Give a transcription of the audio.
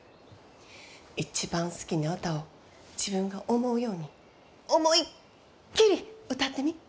一番好きな歌を自分が思うように思いっきり歌ってみ。